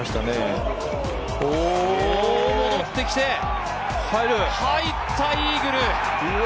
戻ってきて入った、イーグル。